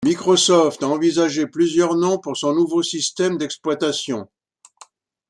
Microsoft a envisagé plusieurs noms pour son nouveau système d'exploitation.